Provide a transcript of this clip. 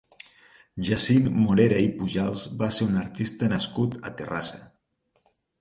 Jacint Morera i Pujals va ser un artista nascut a Terrassa.